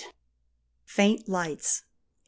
FAINT LIGHTS. 81.